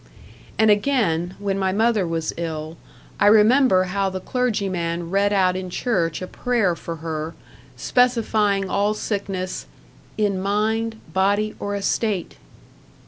And again, when my mother was ill, I remember how the clergyman read out in church a prayer for her, specifying all sickness, "in mind, body or estate".